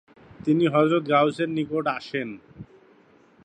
তিনি হযরত গাউসের নিকট আসেন।